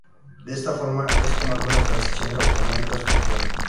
De esta forma es como algunas transmisiones automáticas funcionan.